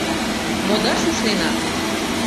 — Модаш ушненат...